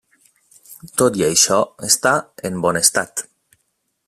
Tot i això, està en bon estat.